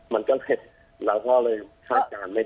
มันก็เห็นหลังพ่อเลยฆ่าจานไม่ได้